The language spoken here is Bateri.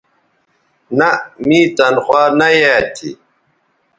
نہء می تنخوا نہ یایئ تھی